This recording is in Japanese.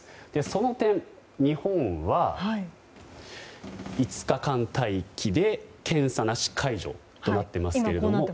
その点、日本は５日間待機で検査なし解除となっていますが。